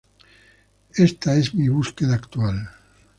Ésta es mi búsqueda actual.